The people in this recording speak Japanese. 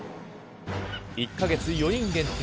１か月４人限定！